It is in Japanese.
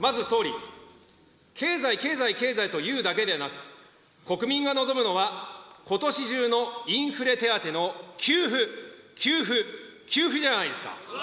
まず総理、経済経済経済と言うだけでなく、国民が望むのは、ことし中のインフレ手当の給付、給付、給付じゃないですか。